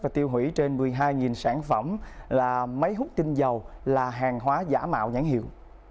và tiêu hủy trên một mươi hai sản phẩm là máy hút tinh dầu là hàng hóa giả mạo nhãn hiệu